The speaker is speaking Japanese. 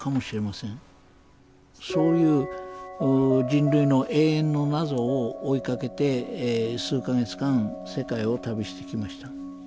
そういう人類の永遠の謎を追いかけて数か月間世界を旅してきました。